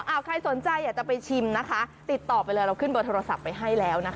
เอาใครสนใจอยากจะไปชิมนะคะติดต่อไปเลยเราขึ้นเบอร์โทรศัพท์ไปให้แล้วนะคะ